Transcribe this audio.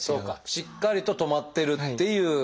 しっかりと留まってるっていうこと。